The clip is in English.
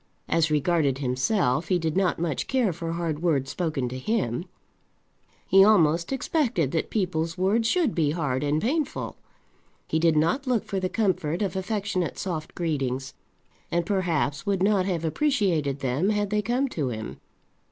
As regarded himself, he did not much care for hard words spoken to him. He almost expected that people's words should be hard and painful. He did not look for the comfort of affectionate soft greetings, and perhaps would not have appreciated them had they come to him.